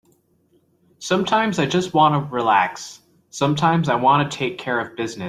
Sometimes I just want to relax, sometimes I want to take care of business.